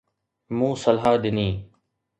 مون صلاح ڏني